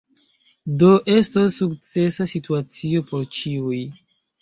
Do estos sukcesa situacio por ĉiuj.